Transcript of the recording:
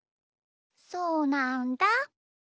そうなんだ。